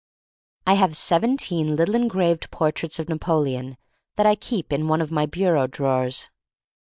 I have seventeen little engraved por traits of Napoleon that I keep in one of my bureau drawers.